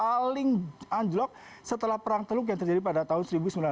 harga yang paling anjurk setelah perang teluk yang terjadi pada tahun seribu sembilan ratus sembilan puluh satu